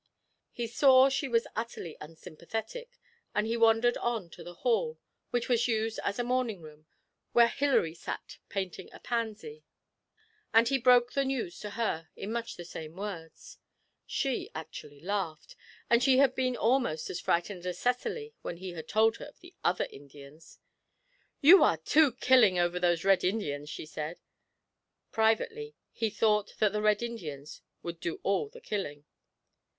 He saw she was utterly unsympathetic, and he wandered on to the hall, which was used as a morning room, where Hilary sat painting a pansy, and he broke the news to her in much the same words. She actually laughed, and she had been almost as frightened as Cecily when he had told her of the other Indians. 'You are too killing over those Red Indians!' she said. Privately, he thought that the Red Indians would do all the killing.